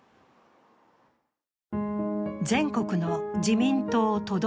全国の自民党都道